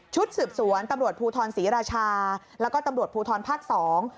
สืบสวนตำรวจภูทรศรีราชาแล้วก็ตำรวจภูทรภาคสอง